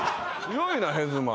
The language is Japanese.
強いなヘズマ。